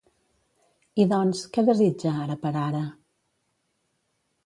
I doncs, què desitja, ara per ara?